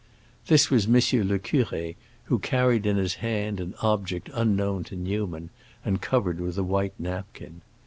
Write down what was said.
This was M. le Curé, who carried in his hand an object unknown to Newman, and covered with a white napkin.